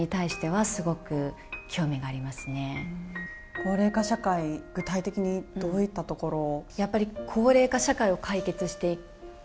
高齢化社会、具体的にどういったところを？